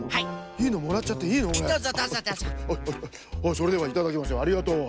それではいただきますよありがとう。